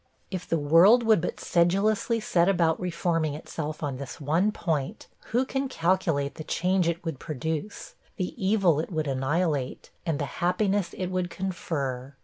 If the world would but sedulously set about reforming itself on this one point, who can calculate the change it would produce the evil it would annihilate, and the happiness it would confer!